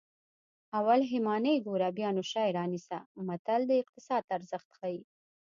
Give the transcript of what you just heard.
اول همیانۍ ګوره بیا نو شی رانیسه متل د اقتصاد ارزښت ښيي